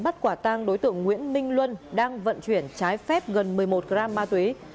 bắt quả tang đối tượng nguyễn minh luân đang vận chuyển trái phép gần một mươi một gram ma túy